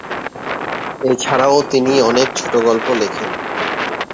এছাড়াও তিনি অনেক ছোটগল্প লেখেন।